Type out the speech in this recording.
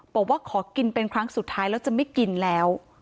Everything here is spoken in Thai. บอกว่าขอกินเป็นครั้งสุดท้ายแล้วจะไม่กินแล้ว